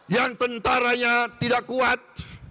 yang tentaranya tidak kuat